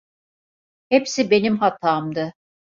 Hepsi benim hatamdı.